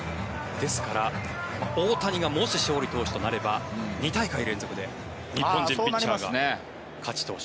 ですから大谷がもし勝利投手となれば２大会連続で日本人ピッチャーが勝ち投手。